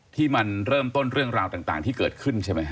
ที่มันเริ่มต้นเรื่องราวต่างที่เกิดขึ้นใช่ไหมฮ